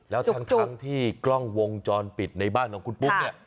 แล้วทั้งที่กล้องวงจรปิดในบ้านของคุณปุ๊กเนี่ย